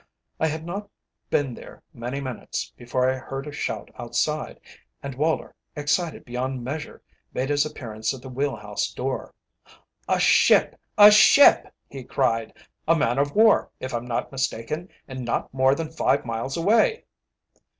I had not been there many minutes, before I heard a shout outside, and Woller, excited beyond measure, made his appearance at the wheel house door. "A ship! a ship!" he cried. "A man of war, if I'm not mistaken, and not more than five miles away!"